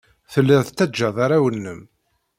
Telliḍ tettajjaḍ arraw-nnem.